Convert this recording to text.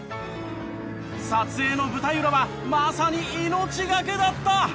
撮影の舞台裏はまさに命がけだった！